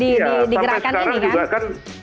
tidak hanya brand trump never mind